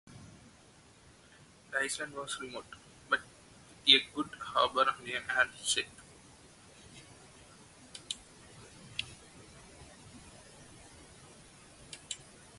The island was remote, but with a good harbor and an airstrip.